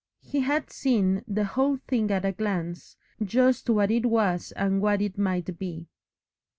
He had seen the whole thing at a glance, just what it was and what it might be.